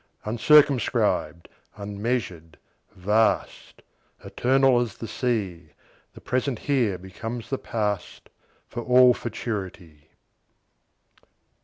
Uncircumscribed, unmeasured, vast, Eternal as the Sea, The present here becomes the past, For all futurity.